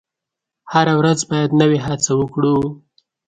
هره ورځ باید نوې هڅه وکړو.